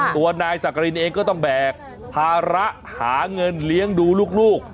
ตัวนายสักกรินเองก็ต้องแบกภาระหาเงินเลี้ยงดูลูก